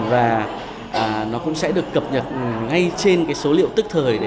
và nó cũng sẽ được cập nhật ngay trên cái số liệu tức thời